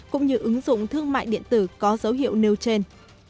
cũng như ứng dụng thương mại điện tử có dấu hiệu nêu trên